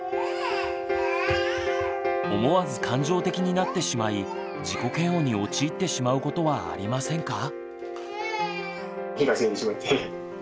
思わず感情的になってしまい自己嫌悪に陥ってしまうことはありませんか？